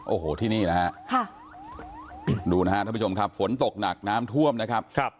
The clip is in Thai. โอ้โหที่นี่นะฮะดูนะฮะท่านผู้ชมครับฝนตกหนักน้ำท่วมนะครับ